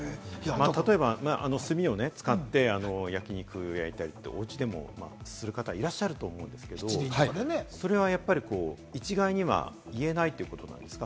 例えば炭を使って焼肉を焼いたり、おうちでもする方いらっしゃると思うんですけど、それは一概には言えないってことなんですか？